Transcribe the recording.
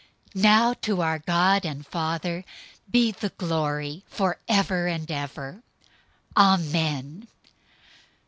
004:020 Now to our God and Father be the glory forever and ever! Amen.